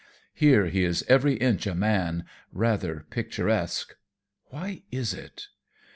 Here he is every inch a man, rather picturesque; why is it?"